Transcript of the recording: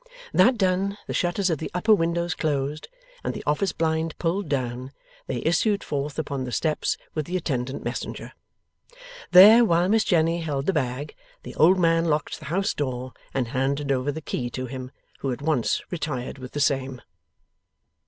That done, the shutters of the upper windows closed, and the office blind pulled down, they issued forth upon the steps with the attendant messenger. There, while Miss Jenny held the bag, the old man locked the house door, and handed over the key to him; who at once retired with the same.